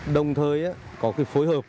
đồng thời có cái phối hợp